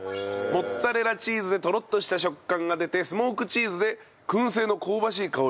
モッツァレラチーズでトロッとした食感が出てスモークチーズで燻製の香ばしい香りを出す事ができる。